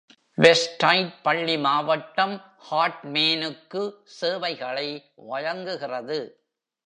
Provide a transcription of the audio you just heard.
Westside பள்ளி மாவட்டம் ஹார்ட்மேனுக்கு சேவைகளை வழங்குகிறது.